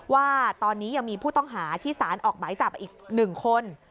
ว่าตอนนี้ยังมีผู้ต้องหาที่สารออกหมายจับอีก๑คน